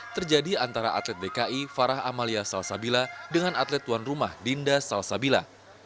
terjadi antara atlet dki farah amalia salsabila dengan atlet tuan rumah dinda salsabila